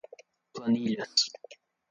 planilhas